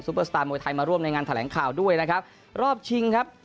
เปอร์สตาร์มวยไทยมาร่วมในงานแถลงข่าวด้วยนะครับรอบชิงครับ